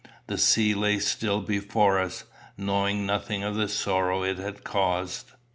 The sea lay still before us, knowing nothing of the sorrow it had caused.